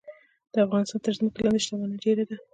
د افغانستان تر ځمکې لاندې شتمني ډیره ده